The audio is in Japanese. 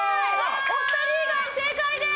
お二人以外正解です！